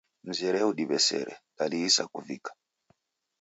Mzere udiw'esere, dalighisa kuvika.